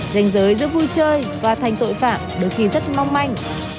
danh giới giữa vui chơi và thành tội phạm đôi khi rất mong manh